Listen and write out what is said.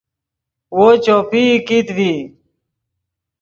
وو چوپئی کیت ڤی